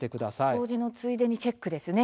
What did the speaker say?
掃除のついでにチェックですね。